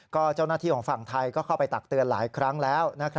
เจ้าหน้าที่ของฝั่งไทยก็เข้าไปตักเตือนหลายครั้งแล้ว